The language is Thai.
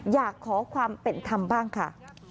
อยากขอความเป็นธรรมบ้างค่ะ